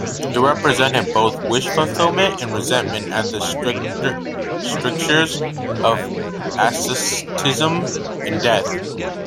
It represented both wish fulfillment and resentment at the strictures of asceticism and death.